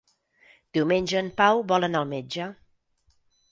Diumenge en Pau vol anar al metge.